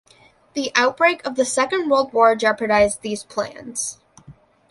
The outbreak of the Second World War jeopardized these plans.